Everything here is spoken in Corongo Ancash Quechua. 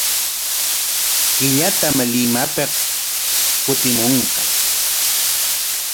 Killatam Limapik kutimunqa.